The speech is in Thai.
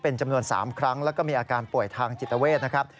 เป็นจำนวน๓ครั้งแล้วก็มีอาการป่วยทางจิตเวทนะครับ